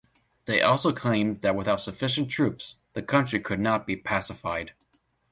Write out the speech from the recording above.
They also claim that without sufficient troops the country could not be pacified.